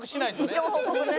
一応報告ね。